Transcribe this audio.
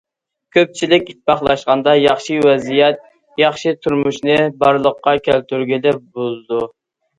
كۆپچىلىك ئىتتىپاقلاشقاندا ياخشى ۋەزىيەت، ياخشى تۇرمۇشنى بارلىققا كەلتۈرگىلى بولىدۇ.